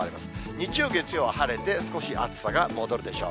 日曜、月曜は晴れて、少し暑さが戻るでしょう。